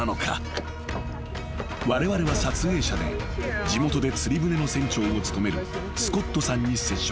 ［われわれは撮影者で地元で釣り船の船長を務めるスコットさんに接触。